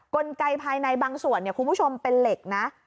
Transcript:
กลไกภายในบางส่วนคุณผู้ชมเป็นเหล็กนะ